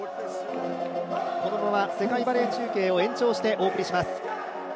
このまま世界バレー中継を延長してお送りします。